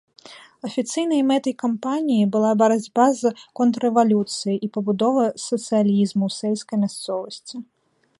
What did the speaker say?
Афіцыйнай мэтай кампаніі была барацьба з контррэвалюцыяй і пабудова сацыялізму ў сельскай мясцовасці.